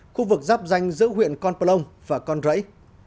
khu vực giáp danh giữa huyện con pơ long và con rẫy